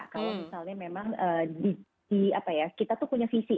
kalau misalnya memang kita tuh punya visi